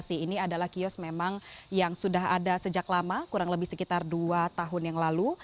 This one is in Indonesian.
ini adalah kios memang yang sudah ada sejak lama kurang lebih sekitar dua tahun yang lalu